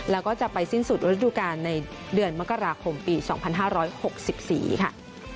แล้วก็จะไปสิ้นสุดฤดูกาลในเดือนมกราคมปี๒๕๖๔ค่ะ